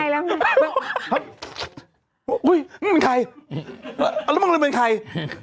แล้วมันเป็นใคร